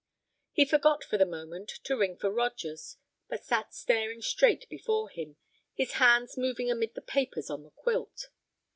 He forgot for the moment to ring for Rogers, but sat staring straight before him, his hands moving amid the papers on the quilt.